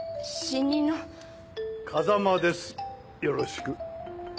よろしく。